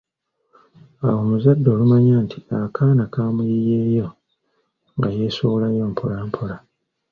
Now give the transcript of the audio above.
Awo omuzadde olumanya nti akaana kamuyiyeeyo nga yeesowolayo mpola mpola.